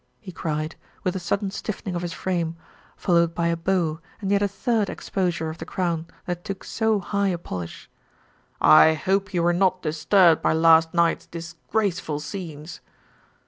he cried, with a sudden stiffening of his frame, followed by a bow and yet a third ex posure of the crown that took so high a polish. "I hope you were not disturbed by last night's disgrace ful scenes."